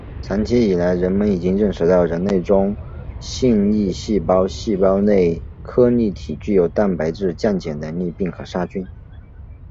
长期以来人们已经认识到人类中性粒细胞细胞内颗粒体具有蛋白质降解能力并可杀菌。